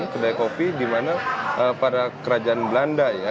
kedai kopi di mana para kerajaan belanda ya